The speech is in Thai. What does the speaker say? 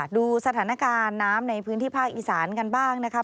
ดูสถานการณ์น้ำในพื้นที่ภาคอีสานกันบ้างนะครับ